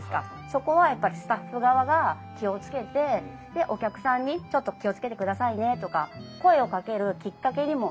そこはやっぱりスタッフ側が気を付けてでお客さんに「ちょっと気を付けてくださいね」とか声をかけるきっかけにもなるし。